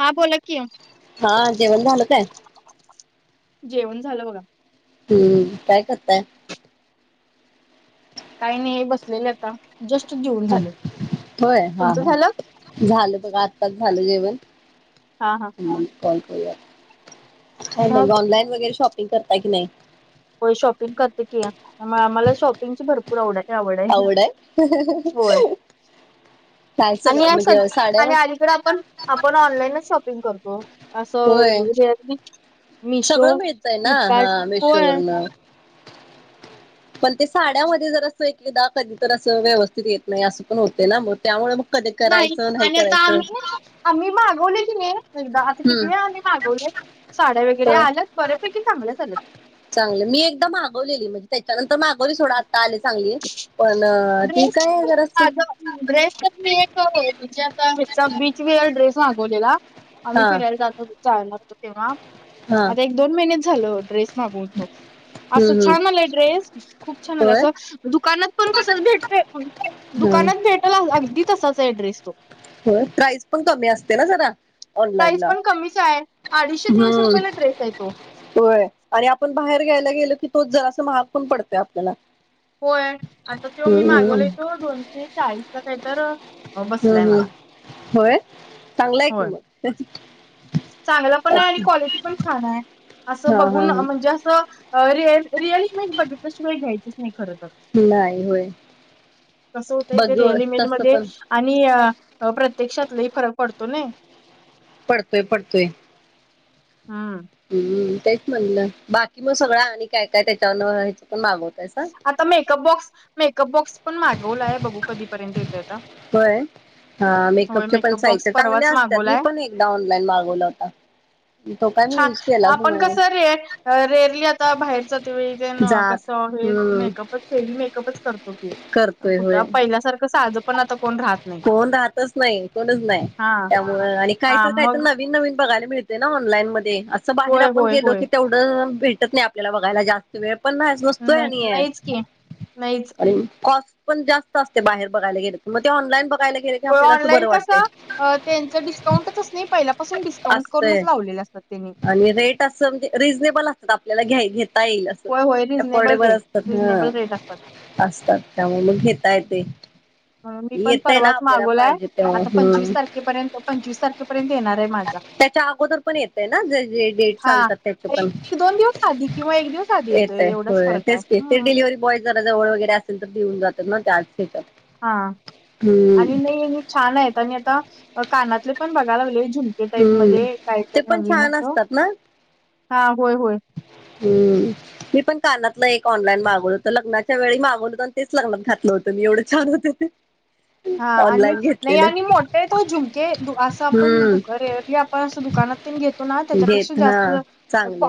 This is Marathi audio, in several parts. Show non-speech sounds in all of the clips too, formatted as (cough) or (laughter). हा, बोला कि, हा, जेवण झालत काय. जेवण झालं बघा. हम्म, काय करताय. काही नाही बसलेले आता जस्ट जीवन हा झालं होय हा तुमचं हा झालं. झालं बघ आत्ताच झालं जेवण. हा हा (inaudible) ह् ह मग ऑनलाईन वगैरे शॉपिंग करता की, नाही. होय शॉपिंग करते की, मग मला शॉपिंगची भरपूर. कुणाकुणाची आवडा आवडय आवड आहे होय. काय आणि सगळं स म्हणजे साड्या व आणि अलीकडे आपण आपण ऑनलाइनच शॉपिंग करतो. होय असंज रिअलमी मिशो सगळं मिळतय ना फ्लिपकार्ट हा हो, मेशोवरन पण ते साड्यामध्ये जर असं एकदा कधीत असं व्यवस्थित येत नाही असं पण होते ना मग त्यामुळे मग. कधी नाही करायचं आणि आता करायचं आम्ही. आम्ही मागवले कि, नाही एकदा आता हम्म किती आम्ही मागवले साड्या वगैरे आल्या. बऱ्यापैकी चांगल्यात आल्यात. चांगले मी एकददा मागवलेली म्हणजे त्याच्यानंतर मागवली सोडा आत्ता आले चांगली. पण ती ड्रेस काय जरास (inaudible) आ ड्रेस तर मी एक म्हणजे आता ह्याचा बीच विल ड्रेस मागवलेला. आम्ही हा फिरायला जातो (unintelligible) जायला लागतो तेव्हा. हा आता एक दोन महिने झालो ड्रेस मागवून तो. हम्म असं हम्म छान आलंय ड्रेस खूप छान आलाय होय असं दुकानात पण तसच भेटतय मंग. हम्म दुकानात भेटाल अ अगदी तसाच ड्रेस तो. होय, प्राइज पण कमी असते ना जरा. ऑनलाईन प्राईज ला पण कमीचय. अडीशे तीनशे हम्म रुपयला ड्रेसय तो. होय, आणि आपण बाहेर घ्यायला गेलो की तोच जरास महाग पण पडतय आपल्याला. होय, आता तो मी हम्म मागवलाय तो दोनशे चाळीसला काहीतर हम्-हम्. होय, चांगलंय कि होय मग चांगला पण आहे, आणि क्वालिटी पण छान आहे. असं हा हा बघून हा म्हणजे असं रिअल-रिअल इमेज बघितल्या शिवाय घ्यायचच नाही खरं तर. नाही होय कस होतय बघ ते रिअल इमेज तस मध्ये पण आणि अं प्रत्यक्षात लई फरक पडतो नाई. पडतोय-पडतोय. हां. हम्म, तेच म्हणलं बाकी मग सगळं आणि काय काय त्याच्यावर ह्याच पण मागवत आता मेकअप बॉक्स-मेकअप बॉक्स पण मागवलाय बघू कधीपर्यंत येतोय आता. होय. हा होय मेकअपचे पण मेकअप साहित्य बॉक्स चांगले परवाच असतात. मी मागवलाय पण एकदा ऑनलाईन मागवला होता. तो काय मी छान! युज केलाच आपण नाही कसं रे रेरली आता बाहेरच ते वळी ते जात कस (unintelligible) हम्म मेकअपच हेवी मेकअपच करतो. की. करतोय कुठ होय पहिल्यासारखं साध पण आता कोण राहत नाही. कोण राहतच न्हाय. कोणच नाय. हा त्यामुळ आणि हा मग काहीतर-काहीतर नवीन- नवीन बघायला मिळत ते ना ऑनलाईन मध्ये असं बाहेर होय आपण होय गेलो होय की तेवढं भेटत नाही आपल्याला बघायला जास्त वेळ पण नाही नसतोय आणि नाही-नाहीच की नाहीच. कॉस्ट पण जास्त असते. बाहेर बघायला गेले. मग ते ऑनलाईन बघायला गेले की हो आपल्याला असं ऑनलाईन बरं कस वाटतंय अं त्यांचं डिस्काउंटच असतय. पहिल्यापासून डिस्काउंट करूनच असतंय लावलेले असतात त्यांनी. आणि रेट असं म्हणजे रिजनेबल असतात. आपल्याला घ्या घेता येईल अस. होय-होय रिजनेबल रेट, रिजनेबल रेट असतात. असतात. त्यामुळं मग घेता येतय. मी पण ना परवाच आपल्याला मागवलाय. पाहिजे तेव्हा आता हम्म पंचवीस तारखेपर्यंत पंचवीस तारखेपर्यंत येणार आहे माझा. (unintelligible) येतय ना जे जे डेट हा सांगतात त्याचे पण, एक दोन दिवस आधी किंवा एक दिवस आधी येतोय येताय एवढाच होय. फरक आहे तेच कि, ते हम्म. डिलिव्ही बॉय जरा जवळ वगैरे असेल तर देऊन जात ना त्याच ह्याच्यात. हा हम्म आणि नाही हे छान आहेत आणि आता कानातले पण बघायला लागले झुम ते टाईप हम्म मध्ये काय ते तर पण नवीन छान असं. असतात ना हा होय-होय. हम्म. मी पण कानातलं एक ऑनलाईन मागवल होतं. लग्नाच्या वेळी मागवलं होतं, आणि तेच लग्नात घातलं होतं. पण एवढं छान होते ते. हा आणि ऑनलाईन नाइ घेतलेलं आणि मोठेयत ओ झुमके, धुआसं आपण हम्म धुकारे आपण असं दुकानात तेन घेतो ना त्याच्यापेक्षा घेत हा जास्त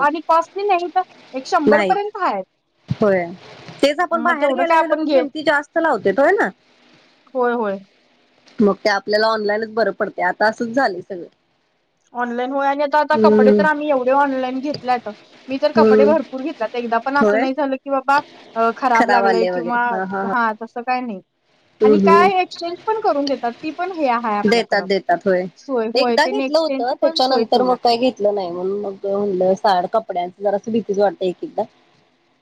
आणि कॉस्टली नाही तर एक शंभर नाहीत पर्यंत हाय. होय, तेच आपण बाहेर तेवढं घ्यायला काय गेलो आपण की, घे किमती जास्त लावतायेत होय ना. होय होय. मग ते आपल्याला ऑनलाईनच बरं पडते. आता असंच झालंय सगळ. ऑनलाईन होय, आणि आता-आता कपडे तर आम्ही एवढे ऑनलाईन घेतल्यात मी तर कपडे हम्म भरपूर घेतल्यात. एकदा पण असं होय नाही झालं की कि बाबा खराब लागलय, किंवा हा तसं काय नाही. हम्म आणि काय हम्म एक्सचेंज पण करून देतात. ती पण हे आहे देतात आपल्याकड, देतात होय सोय होय, एकदा त्याने घेतलं होतं एक्सचेंजची पण सोय त्याच्यानंतर मग ठेवल्या. काही घेतलं नाही म्हणून मग म्हणलं साड- कपड्यांच जरा भीतीच वाटत एक तिथं.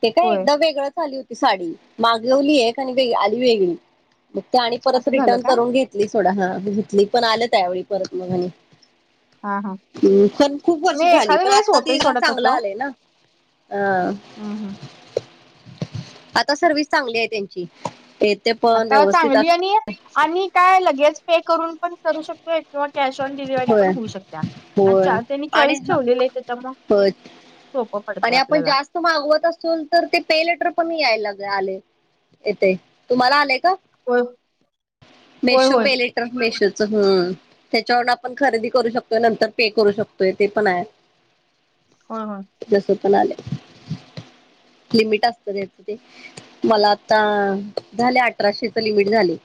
ते काय होय एकदा वेगळंच आली होती साडी, मागवली एक आणि आली वेगळीच. मग ते आणि परत असं झालं रिटर्न का करून घेतली सोडा, हा घेतली पण आलं त्यावेळी परत मग आणि हा हा हम्, पण खूप वर्ष नाही झाली, एखाद्या पण वेळेस आता होतय ते सोडा चांगलं तसं. आलंय ना. हा. हम्म हम्म. आता सर्विस चांगली आहे त्यांची, ते आता चांगली आणि, आणि काय लगेच पे करून पण करू शकते किंवा कॅश ऑन डिलिव्ही पण होय होऊ शकते. होय अच्छा त्यांनी आणि चॉईस ह ठेवलेलं त्याच्यामुळ, होय सोपं आणि पडतंय आपण आपल्याला. जास्त मागवत असल तर ते पे लेटर पण या लागलय, आलय, तुम्हाला आलय काय? होय होय मेशो होय पे लेटर मेशोच, हम त्याच्यावरून आपण खरेदी करू शकतोय नंतर पे करू शकतोय, ते पण आहे. होय होय, जस पण आले, लिमिट असत त्याच ते मला आता, झाले अठराशेच लिमिट झाले.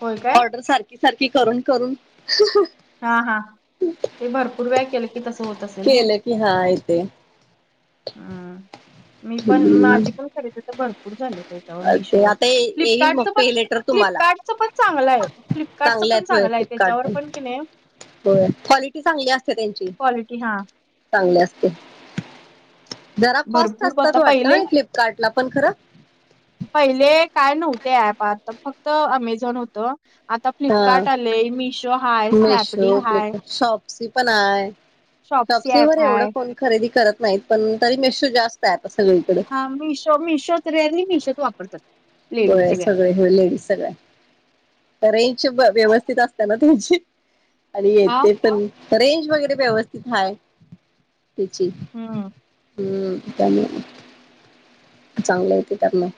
होय काय ऑर्डर सारखी सारखी करून करून हा हा, ते भरपूर वेळ केलं की तसं होत असेल ना. केलं हा येते. हम्म (inaudible) मी पण माझी पण खरेदी तर भरपूर झाले त्याच्यावर ते मिशोवर, आता येईल मग फ्लिपकार्टच पण पे लेटर तुम्हाला फ्लिपकार्टच पण चांगलं आहे. फ्लिप फ्लिपकार्ट च चांगले पण आहेत होय चांगलं आहे. फ्लिपकार्ट त्याच्यावर पण की नाही होय, क्वालिटी चांगली असते त्यांची, क्वालिटी हा चांगली असते. जरा कॉस्ट भरपूर असतात आता वाटत पहिले फ्लिपकार्ट ला पण खरं, पहिले काय नव्हते ॲप आता फक्त अमेझॉन होत. आता हा फ्लिपकार्ट आलय, मिशो हाय, स्नॅपडील मशो हाय, परत शॉप्सी पण आहे. शॉप्सी वर ऍप एवढं हाय. कोण खरेदी करत नाहीत. पण तरी मिशो जास्त आहे आता सगळीकडे. हा मिशो मिशोच रे मिशो वा होय सगळे हे लेडीज सगळया, रेंज व्यवस्थित असत्या ना त्यांची. आणि आ येते तर, रेंज वगैरे व्यवस्थित हाय, त्याची. हम्. हम्म, त्यानी चांगले आहे ते टाकलं.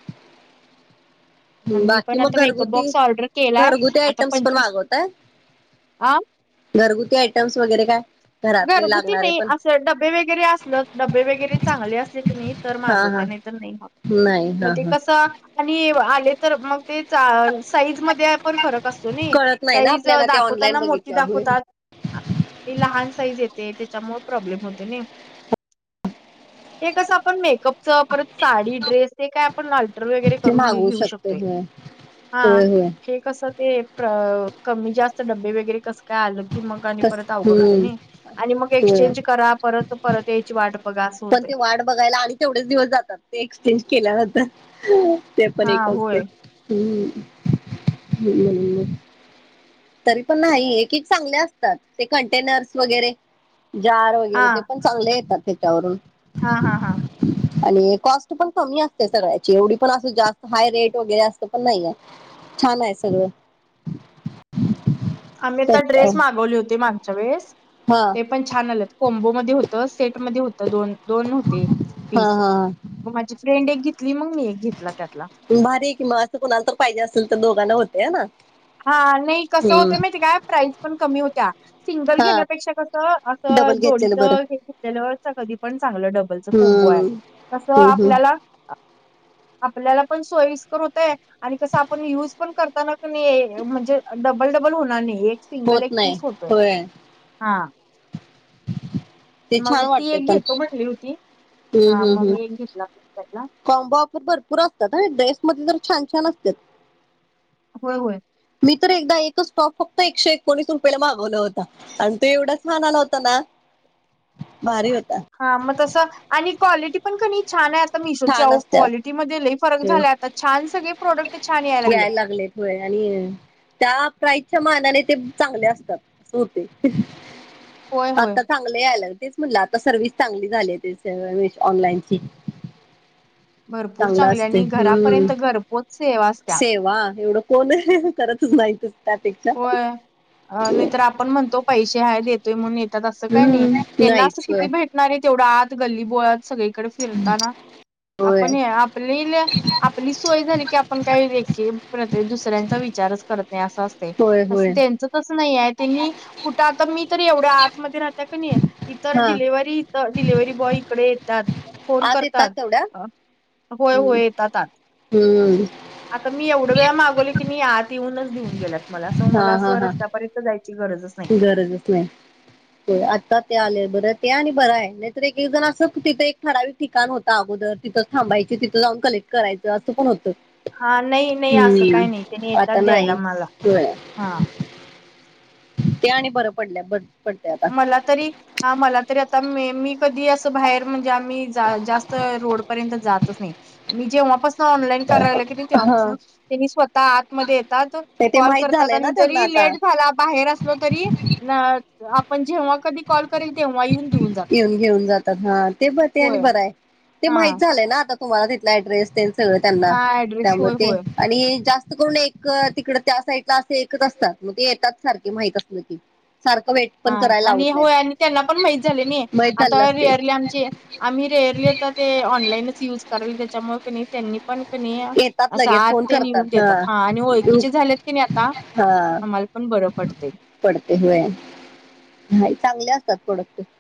आणि मी बाकी पण आता मग मेकअप घरगुती, बॉक्स ऑर्डर केलाय घरगुती आता आयटम्स पण पंचवीस मागवताय. आ घरगुती आयटम्स वगैरे काय? घरातले घरगुती लागणारे नाही, पण असं डबे वगैरे असल डबे वगैरे चांगले असले किनी तर हा हा मागवते. नाही तर नाही हा. नाही, हा हा. आणि आले तर मग ते साईज मध्ये पण फरक असतो नी, कळत नाही ना साईज आपल्याला ते ऑनलाईन दाखवताना मोठी बघितल्यावर होय दाखवतात आणि लहान साईज येते त्याच्यामुळे प्रॉब्लेम होते नाही. ते कसं आपण मेकअपच परत साडी ड्रेस हे काय आपण घालतो. ऑर्डर वगैरे ते करून मागवू घेऊ शकते शकतो. होय हा होय होय (unintelligible) कसं ते कमी जास्त डबे वगैरे कसं काय आलं की, मग आणि तस परत अवघड होते हम्म नाही. आणि मग होय एक्सचेंज करा परत परत यायची वाट बघा असं पण होतय ते वाट बघायला आणि तेवढेच दिवस जातात ते एक्सचेंज केल्यानंतर पण हा एक असतंय होय. हम्म. तरी पण नाही एक -एक चांगले असतात ते कंटेनर्स वगैरे जार हा वगैरे ते पण चांगले येतात त्याच्यावरून. हा हा हा. आणि कॉस्ट पण कमी असते सगळ्याची एवढी पण अस जास्त हाय रेट वगैरे असत पण नाहीये. छान आहे सगळं. आम्ही पण त्याच्या ड्रेस मागवले होते मागच्या वेळेस हा. ते पण छान आलेत, कोंबोमध्ये होतं सेटमध्ये, होत दो दोन होते हा पीस. हा मग माझी फ्रेंड एक घेतली मग मी एक घेतला त्यातला. भारी आहे की मग असं कोुणाला तर पाहिजे असेल तर दोघांना होते ह ना. हा नाही कसं हम्म होतं माहित हो काय प्राईज पण कमी होतीया. सिंगल हा घेण्यापेक्षा कस असं डबल घेतलेलं बरं जोडीचं कधी पण चांगलं डबलच कोंबो आहे हम्म तस हम्म हम्म आपल्याला आपल्याला पण सोईस्कर होतय आणि कसं आपण युज पण करताना क नाही म्हणजे डबल- डबल होणार नाही एक सिंगल होत एक नाही पीस होतोय होय हा. ते मग छान ती वाटते एक पण घेतो म्हटली होती हम्म हा हम्म मग हम्म मी एक घेतला त्यातला. कॉम्बो ऑफर भरपूर असतात आणि ड्रेसमध्ये तर छान छान असतात. होय होय. मी तर एकदा एकच स्टॉप फक्त एकशे एकोणीस रुपयला मागवला होता आणि तो एवढा छान आला होता ना भारी होता. हा मग तसं आणि क्वालिटी पण कनी छान आहे आता मिशोची छान अहो असतात क्वालिटी मध्ये लईं फरक झाला आता छान सगळे प्रोडक्ट छान यायला लागलेत. होय आणि त्या प्राइजच्या मानाने ते चांगले असतात, बहुतेक होय होय. आता चांगलं यायलेत, तेच म्हणलं आता सर्व्हिस चांगली झाली आहे ते ऑनलाईनची. भरपूर चांगल चांगली असतय, आणि हम्म घरापर्यंत घरपोच सेवा असत्या. सेवा एवढं कोण करतच नाहीत. होय नाही तर आपण म्हणतो पैसे हाय देतो म्हणून येतात असं काय नाही हम्म त्यांना असं नाहीच किती होय भेटणार आहे तेवढं आत गल्ली बोळात सगळे इकडे फिरताना होय आपण आपलेल आपली सोय झाली की आपण काही लेखे दुसऱ्यांचा विचारच करत नाही असं असतय. होय होय त्यांच तस नाही आहे त्यांनी कुठं आता मी तर एवढ्या आतमध्येध्य राहते कनी इतर हा डिलेव्हरी डिलव्हरी बॉय इकडे येतात. फोन आत येतात करतात तेवढ्या होय हम्म होय येतात आणि. हम्म आता मी एवढं वेळा मागवले की मी आत येऊनच देऊन गेलेत मला असं हा मला हा असं हा रस्त्यापर्यंत जायची गरजच नाही. गरजच नाही. हो आता ते आले बरं ते आणि बरं आहे नाहीतर एक एकजण असं तिथं एक ठराविक ठिकाण होत. अगोदर तिथंच थांबायची तिथं जाऊन कलेक्ट करायचं असं पण होतं. हा नाही नाही असं हम्म काही नाही त्यांनी आता येतात द्यायला नाही मला होय हा. ते आणि बरं पडलय बर पडते आता. मला तरी हा मला तरी आता म मी कधी असं बाहेर म्हणजे आम्ही जास्त रोडपर्यंत जातच नाही. मी जेव्हापासून ऑनलाईन करायला की हा तेव्हापासन. त्यांनी स्वतः आतमध्ये येतात नाही ते कॉल माहित करतात झालंय ना आणि त्यांना जरी आता. लेट झाला बाहेर असलो तरी- ना आपण जेव्हा कधी कॉल करेल तेव्हा येऊन देऊन. जातात. येऊन जेवून जातात हा ते बते आणि होय बर आहे ते हा माहित झालंय ना आता तुम्हाला तिथला ऍड्रेस त्याचं - गळ त्यांना हा ऍड्रेस त्यामुळे होय ते. होय. आणि जास्त करून एक तिकड त्या साईडला असे एकच असतात मग ते येतात सारखे माहित असल की. सारखं वेट अ पण करायला आणि लावत होय नाहीत आणि त्यांना पण माहित झाले नि माहित झालेलं आता असते. इयरली आमचे. आम्ही रेअरली आता ते ऑनलाईनच युज करायलो त्याच्यामुळे का नाही. त्यांनी पण क नाही येतात असं लगेच आत फोन ते निऊन करतात देतात हा आणि ओळखीचे झालेत की नाही आता. हा आम्हाला पण बरं पडतेय. पडते व्हाय हाय चांगले असतात प्रॉडक्ट त्याचे.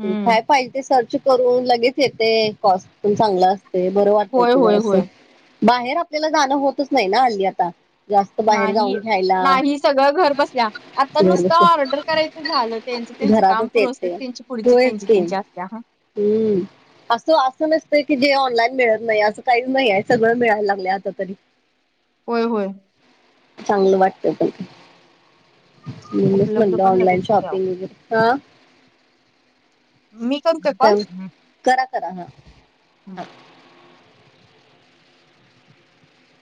हम्म काय पाहिजे ते सर्च करून लगेच येतय कॉस्ट पण चांगल असतय. बर वाट - तय होय ते होय जरासं होय बाहेर आपल्याला जाणं होतच नाही ना हल्ली आता. जास्त बाहेर जाऊन नाही घ्यायला नाही सगळं घर बसल्या आता घर नुसत बसल्या ऑर्डर करायच. झालं तेंच तेचं काम घरातच प्रोसेस येते त्याची पुढची होयच तेची की तेची असतीया. हम्म असं असं नसतय की जे ऑनलाईन मिळत नाही. असं काही- नाहीये सगळं मिळायला लागले आता तरी. होय होय चांगलं वाटतय पण. म्हणूनच उपलब्ध म्हटल पण ऑनलाईन लगेच होत्या शॉपिंग वगैरे ह मी करू का कॉल. काय करा करा हा हा.